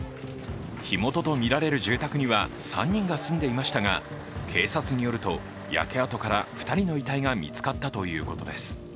火元とみられる住宅には３人が住んでいましたが警察によると焼け跡から２人の遺体が見つかったということです。